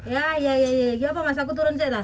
ya ya ya apa mas aku turun saja